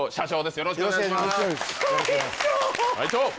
よろしくお願いします